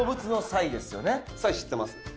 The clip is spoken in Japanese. サイ知ってます？